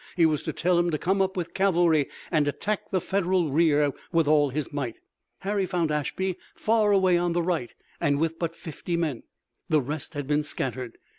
He was to tell him to come up with cavalry and attack the Federal rear with all his might. Harry found Ashby far away on the right, and with but fifty men. The rest had been scattered.